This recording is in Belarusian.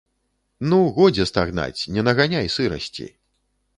Ну, годзе стагнаць, не наганяй сырасці.